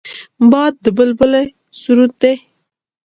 باد د بلبله سرود دی